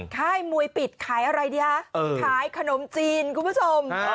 ค่ายมวยปิดขายอะไรดีคะขายขนมจีนคุณผู้ชม